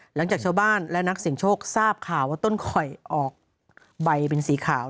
หลังจากชาวบ้านและนักเสียงโชคทราบข่าวว่าต้นข่อยออกใบเป็นสีขาว